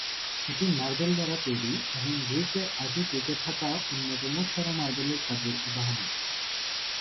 এটি মার্বেল দ্বারা তৈরি, এবং গ্রিসে আজও টিকে থাকা অন্যতম সেরা মার্বেলের কাজের উদাহরণ।